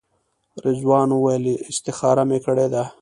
رضوان وویل استخاره مې کړې ده.